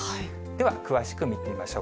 では、詳しく見てみましょう。